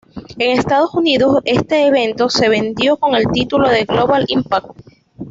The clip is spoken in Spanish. En Estados Unidos este evento se vendió con el título de "Global Impact!